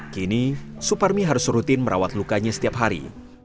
kini suparmi harus rutin merawat lukanya setiap hari